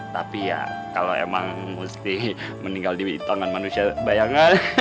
tapi ya kalau emang mesti meninggal di witongan manusia bayangan